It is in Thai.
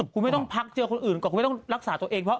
คุณไม่ต้องพักเจอคนอื่นก็ไม่ต้องจัดลักษณะตัวเอง